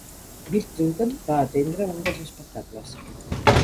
Bill Clinton va atendre un dels espectacles.